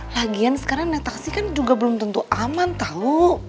lagian sekarang naik taksi kan juga belum tentu aman tahu